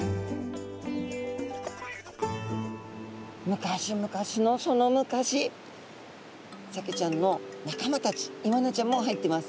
昔昔のその昔サケちゃんの仲間たちイワナちゃんも入ってます。